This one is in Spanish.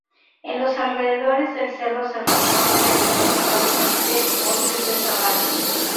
En los alrededores del Cerro Cerrejón crece principalmente bosques de sabana.